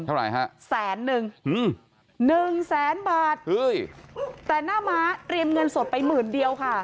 เท่าไหร่ฮะแสนนึงหนึ่งแสนบาทเฮ้ยแต่หน้าม้าเตรียมเงินสดไปหมื่นเดียวค่ะ